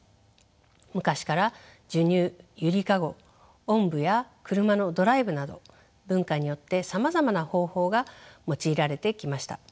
昔から授乳揺りかごおんぶや車のドライブなど文化によってさまざまな方法が用いられてきました。